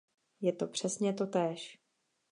Je to přesně totéž.